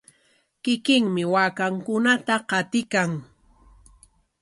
Kikinmi waakankunata qatiykan.